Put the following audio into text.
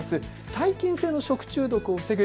細菌性の食中毒を防ぐ